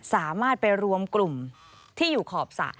สามารถไปรวมกลุ่มที่อยู่ขอบสระ